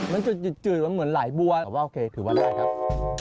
มันจะจืดเหมือนไหลบัวแต่ว่าโอเคถือว่าได้ครับ